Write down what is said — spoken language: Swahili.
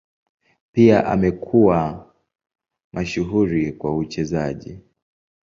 Pia amekuwa mashuhuri kwa uchezaji.